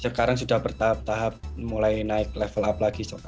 sekarang sudah bertahap tahap mulai naik level up lagi